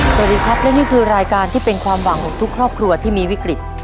สวัสดีครับและนี่คือรายการที่เป็นความหวังของทุกครอบครัวที่มีวิกฤต